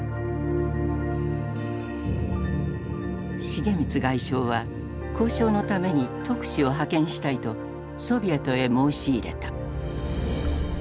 重光外相は交渉のために特使を派遣したいとソビエトへ申し入れた。